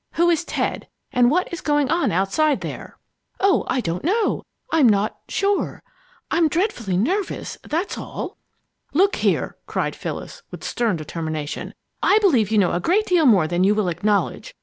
Who is 'Ted,' and what is going on outside there?" "Oh, I don't know! I'm not sure! I'm dreadfully nervous that's all." "Look here!" cried Phyllis, with stern determination, "I believe you know a great deal more than you will acknowledge.